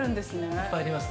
◆いっぱいあります。